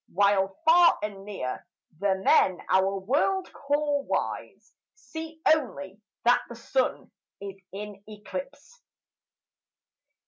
While far and near the men our world call wise See only that the Sun is in eclipse.